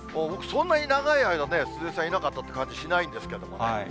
そんなに長い間ね、鈴江さん、いなかったって感じしないんですけどもね。